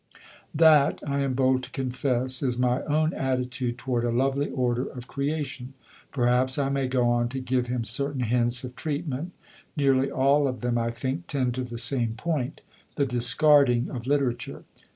That, I am bold to confess, is my own attitude toward a lovely order of creation. Perhaps I may go on to give him certain hints of treatment. Nearly all of them, I think, tend to the same point the discarding of literature.